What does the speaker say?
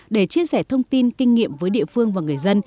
để chia sẻ thông tin kinh nghiệm với địa phương và người dân